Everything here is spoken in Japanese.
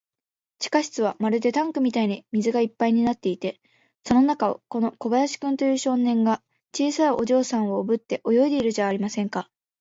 地下室はまるでタンクみたいに水がいっぱいになっていて、その中を、この小林君という少年が、小さいお嬢さんをおぶって泳いでいるじゃありませんか。